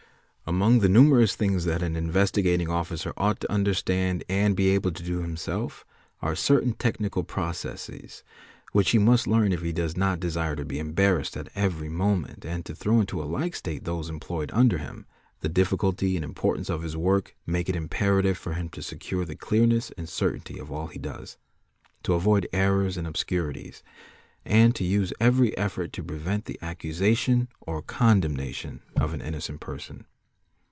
Among the numerous things that an Investigating Officer ought to understand and be able to do himself, are certain technical processes which he must learn if he does not desire to be embarrassed at every moment and to throw into a like state those employed under him. 'The difficulty and importance of his work make it imperative for him to secure the clearness and certainty of all he does, to avoid errors and obscurities, and to use every effort to prevent the accusation or condemnation of in innocent person.